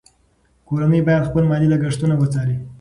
کورنۍ باید خپل مالي لګښتونه وڅاري.